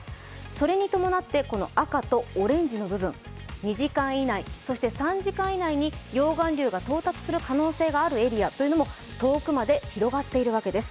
それに伴って赤とオレンジの部分、２時間以内、そして３時間以内に溶岩流が到達する可能性があるエリアというものも遠くまで広がっているわけです。